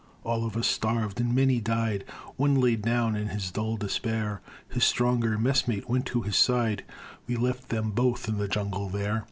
All of us starved, and many died. One laid down, in his dull despair; His stronger messmate went to his side We left them both in the jungle there.